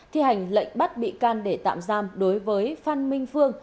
thi hành lệnh bắt bị can để tạm giam đối với phan minh phương